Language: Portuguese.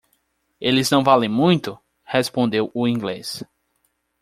"Eles não valem muito?", respondeu o inglês.